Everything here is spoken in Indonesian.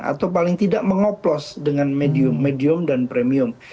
atau paling tidak mengoplos dengan medium dan premium